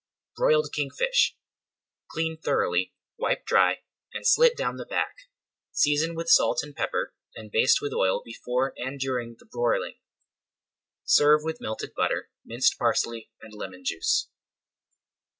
BROILED KING FISH Clean thoroughly, wipe dry, and slit down the back; season with salt and pepper and baste with oil before and during the broiling. Serve with melted butter, minced parsley, and lemon juice.